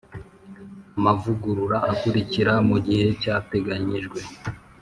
Amavugurura akurikira mu gihe cyateganyijwe